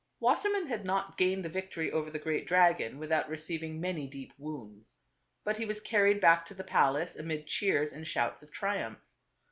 Wassermann had not gained the victory over the great dragon without receiving many deep wounds. But he was carried back to the palace amid cheers and shouts of triumph.